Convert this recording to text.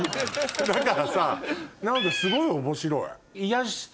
だからさ何かすごい面白い。